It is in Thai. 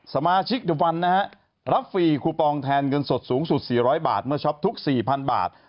สมาชิกเดี๋ยววันนะฮะรับฟรีคูปองแทนเงินสดสูงสุด๔๐๐บาทเมื่อช็อปทุก๔๐๐๐บาท